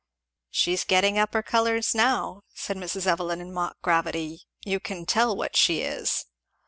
"She is getting up her colours now," said Mrs. Evelyn in mock gravity, "you can tell what she is."